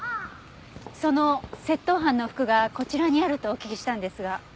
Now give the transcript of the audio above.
その窃盗犯の服がこちらにあるとお聞きしたんですが。